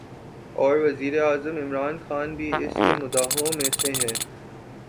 اور وزیراعظم عمران خان بھی اس کے مداحوں میں سے ہیں